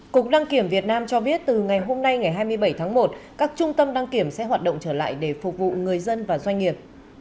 cục đăng kiểm việt nam cho biết từ ngày hôm nay ngày hai mươi bảy tháng một các trung tâm đăng kiểm sẽ hoạt động trở lại để phục vụ người dân và doanh nghiệp